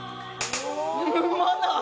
うまない？